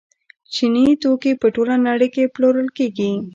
چیني توکي په ټوله نړۍ کې پلورل کیږي.